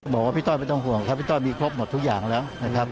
บอกว่าพี่ต้อยไม่ต้องห่วงครับพี่ต้อยมีครบหมดทุกอย่างแล้วนะครับ